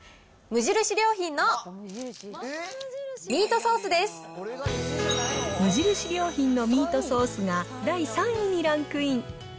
無印良品のミートソースが第３位にランクイン。